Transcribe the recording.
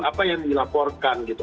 apa yang dilaporkan gitu